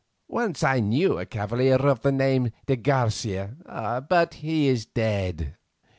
Once I knew a cavalier of the name of de Garcia, but he is dead."